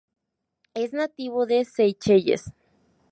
Es nativa de Seychelles.